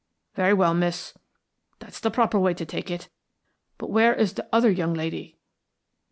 "Very well, miss. That's the proper way to take it. But where is the other young lady?"